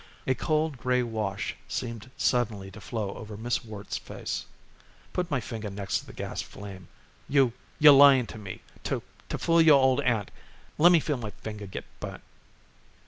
A cold gray wash seemed suddenly to flow over Miss Worte's face. "Put my finger next to the gas flame. You you're lying to me to to fool your old aunt. Lemme feel my finger get burnt."